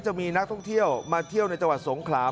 จะมีนักท่องเที่ยวมาเที่ยวในจังหวัดสงขลา